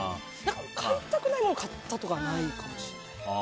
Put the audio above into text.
買いたくないものを買ったとかはないかもしれない。